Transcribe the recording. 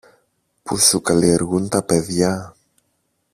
που σου καλλιεργούν τα παιδιά.